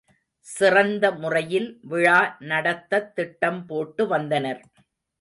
சிறந்த முறையில் விழா நடத்தத் திட்டம் போட்டு வந்தனர்.